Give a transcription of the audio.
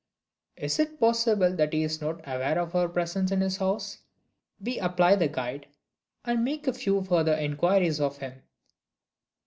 Is it possible that he is not aware of our presence in the house? We apply the guide, and make a few further inquiries of him.